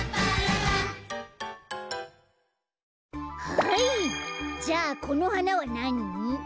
はいじゃあこのはなはなに？